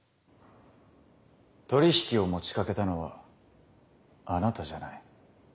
取り引きを持ちかけたのはあなたじゃない。